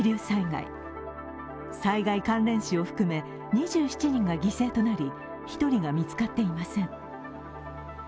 災害関連死を含め、２７人が犠牲となり、１人が見つかっていません。